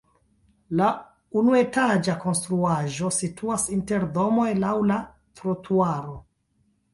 La unuetaĝa konstruaĵo situas inter domoj laŭ la trotuaro.